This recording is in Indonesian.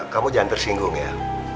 kamu jangan tersinggung ya